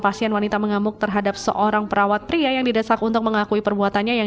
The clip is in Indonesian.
pra peradilan nanti didaftarkan di pn